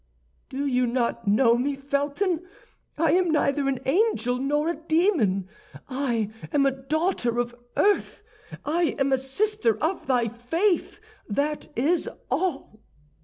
"Do you not know me, Felton? I am neither an angel nor a demon; I am a daughter of earth, I am a sister of thy faith, that is all."